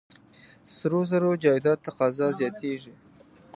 سرو زرو جایداد تقاضا زیاتېږي.